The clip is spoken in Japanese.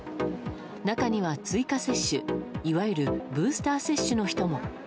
中には追加接種いわゆるブースター接種の人も。